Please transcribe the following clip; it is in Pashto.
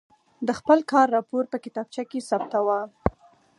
د خپل کار راپور په کتابچه کې ثبتاوه.